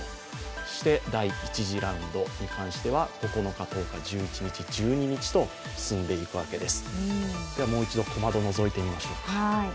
そして、第１次ラウンドに関しては９日、１０日、１１日、１２日と続いていくわけです。